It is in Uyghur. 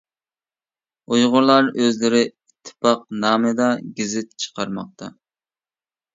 ئۇيغۇرلار ئۆزلىرى «ئىتتىپاق» نامىدا گېزىت چىقارماقتا.